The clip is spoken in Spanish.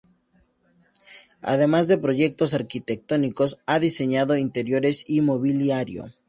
Además de proyectos arquitectónicos, ha diseñado interiores y mobiliario.